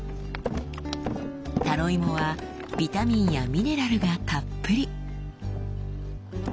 タロイモはビタミンやミネラルがたっぷり！